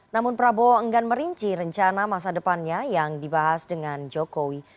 namun prabowo enggan merinci rencana masa depannya yang dibahas dengan jokowi